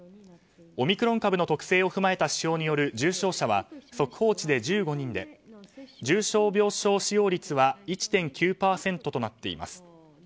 オミクロン株の特性を踏まえた指標による重症者は速報値で１５人で重症病床使用率は１．９％となっています。